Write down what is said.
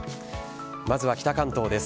まずは北関東です。